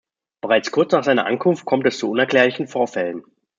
Bereits kurz nach seiner Ankunft kommt es zu unerklärlichen Vorfällen.